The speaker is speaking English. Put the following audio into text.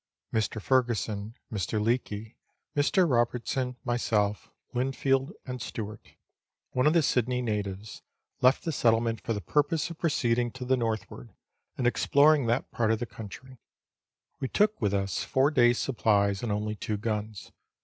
Mr. Furgesson, Mr. Leake, Mr. Robertson, myself, Linfield, and Stewart, one of the Sydney natives, left the settlement for the purpose of proceeding to the northward and exploring that part of the country. We took with us four days' supplies and only two guns.